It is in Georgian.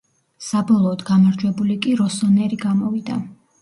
საბოლოოდ გამარჯვებული კი როსონერი გამოვიდა.